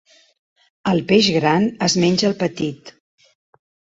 El peix gran es menja el petit.